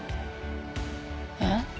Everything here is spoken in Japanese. えっ？